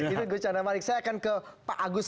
itu gus chandra mari saya akan ke pak agus